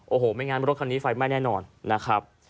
โอ้โหไม่งั้นรถคันนี้ไฟไหม้แน่นอนนะครับ